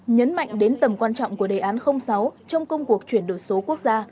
nhấn mạnh đến tầm quan trọng của đề án sáu trong công cuộc chuyển đổi số quốc gia